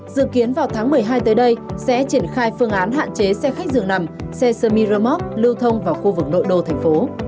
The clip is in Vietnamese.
dự kiến vào tháng một mươi hai tới đây sẽ triển khai phương án hạn chế xe khách dường nằm xe semi remote lưu thông vào khu vực nội đô thành phố